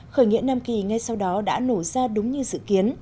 khởi nghĩa nam kỳ ngay sau đó đã nổ ra đúng như dự kiến